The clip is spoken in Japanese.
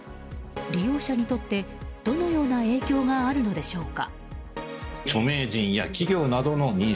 利用者にとって、どのような影響があるのでしょうか。